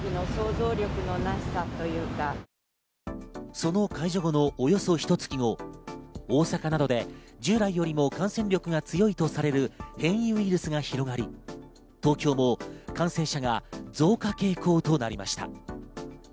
その解除後のおよそひと月後、大阪などで従来よりも感染力が強いとされる変異ウイルスが広がり、東京も感染者が増加傾向となりました。